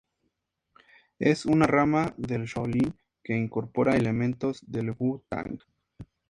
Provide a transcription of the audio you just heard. Es una rama del Shaolin que incorpora elementos del Wu Tang.